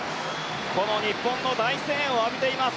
この日本の大声援を浴びています。